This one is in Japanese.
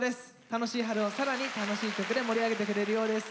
楽しい春を更に楽しい曲で盛り上げてくれるようです。